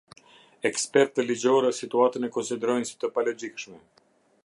Ekspertë ligjorë situatën e konsiderojnë si të palogjikshme.